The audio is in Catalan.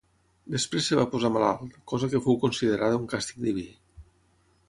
Després es va posar malalt, cosa que fou considerada un càstig diví.